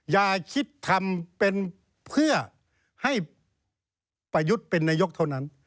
อย่าคิดทำเป็นเพื่อให้ประยุทธ์เป็นนายกเท่านั้น